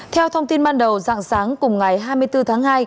theo thông tin ban đầu dạng sáng cùng ngày hai mươi bốn tháng hai